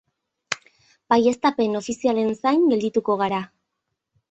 Baieztapen ofizialen zain geldituko gara.